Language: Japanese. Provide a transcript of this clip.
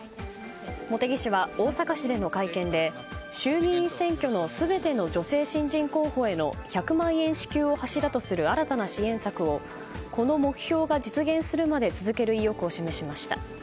茂木氏は、大阪市での会見で衆議院選挙の全ての女性新人候補への１００万円支給を柱とする新たな支援策をこの目標が実現するまで続ける意欲を示しました。